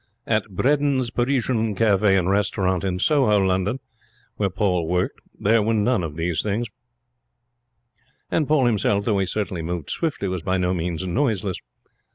At Bredin's Parisian Cafe and Restaurant in Soho, where Paul worked, there were none of these things; and Paul himself, though he certainly moved swiftly, was by no means noiseless.